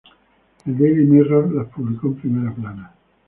El Daily Mirror las publicó en primera plana.